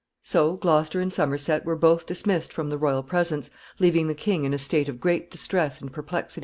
So Gloucester and Somerset were both dismissed from the royal presence, leaving the king in a state of great distress and perplexity.